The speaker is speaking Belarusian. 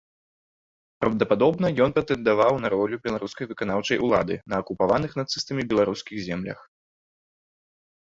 Праўдападобна, ён прэтэндаваў на ролю беларускай выканаўчай улады на акупаваных нацыстамі беларускіх землях.